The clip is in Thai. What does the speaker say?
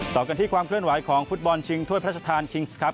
ต่อกันที่ความเคลื่อนไหวของฟุตบอลชิงถ้วยพระราชทานคิงส์ครับ